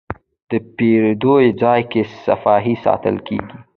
د پیرود ځای کې صفایي ساتل کېږي.